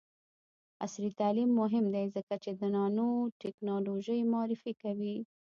عصري تعلیم مهم دی ځکه چې د نانوټیکنالوژي معرفي کوي.